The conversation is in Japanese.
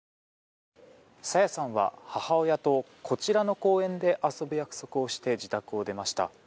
朝芽さんは、母親とこちらの公園で遊ぶ約束をして自宅を出ました。